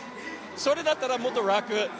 それだったら、もっと楽！